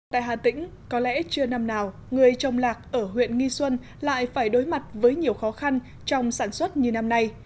tại hà tĩnh có lẽ chưa năm nào người trồng lạc ở huyện nghi xuân lại phải đối mặt với nhiều khó khăn trong sản xuất như năm nay